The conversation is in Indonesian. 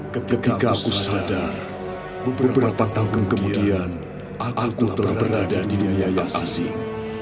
ketika aku sadar beberapa tanggung kemudian aku telah berada di dunia yang asing